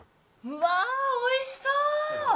うわぁおいしそう！